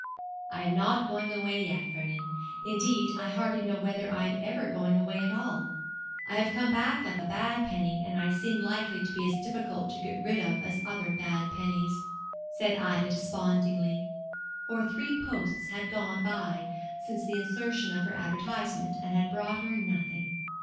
'I am not going away yet, Vernon; indeed, I hardly know whether I am ever going at all. I have come back like a bad penny, and I seem likely to be as difficult to get rid of as other bad pennies,' said Ida, despondingly, for three posts had gone by since the insertion of her advertisement, and had brought her nothing.